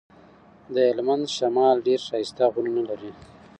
د هلمند شمال ډير ښايسته غرونه لري.